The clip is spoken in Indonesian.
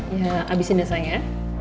ya abisin ya sayangnya ya